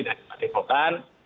ya seperti yang dikatakan